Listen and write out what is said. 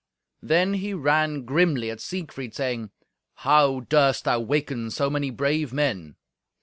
Then he ran grimly at Siegfried, saying, "How durst thou waken so many brave men?"